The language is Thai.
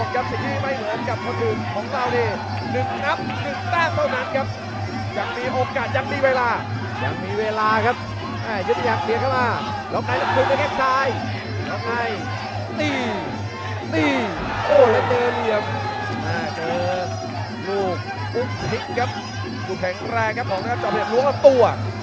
อยู่แข็งแรงครับของนะครับจอมพะเดชน์หลวงกับตัว